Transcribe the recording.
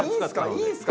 いいんすか？